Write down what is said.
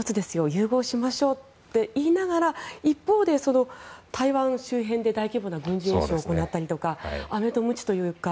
融合しましょうと言いながら、一方で台湾周辺で大規模な軍事演習を行ったりとかアメとムチというか